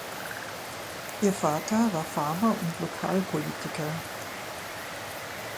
Ihr Vater war Farmer und Lokalpolitiker.